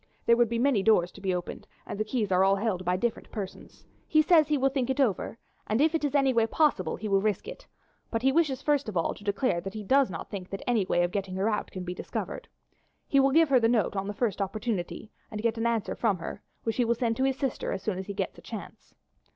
There would be many doors to be opened, and the keys are all held by different persons. He says he will think it over, and if it is any way possible he will risk it. But he wishes first of all to declare that he does not think that any way of getting her out can be discovered. He will give her the note on the first opportunity, and get an answer from her, which he will send to his sister as soon as he gets a chance."